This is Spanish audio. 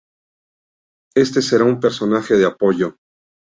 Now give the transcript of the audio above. Este será un personaje de Apoyo.